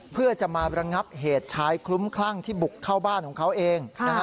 เพื่อจะมาระงับเหตุชายคลุ้มคลั่งที่บุกเข้าบ้านของเขาเอง